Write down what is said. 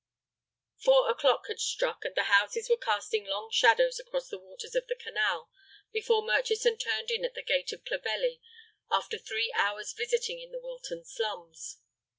Four o'clock had struck, and the houses were casting long shadows across the waters of the canal, before Murchison turned in at the gate of Clovelly after three hours visiting in the Wilton slums.